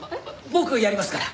僕やりますから。